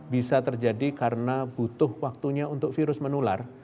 bisa terjadi karena butuh waktunya untuk virus menular